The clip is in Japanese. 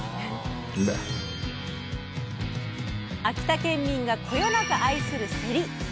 秋田県民がこよなく愛するせり。